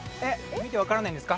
見て分からないんですか？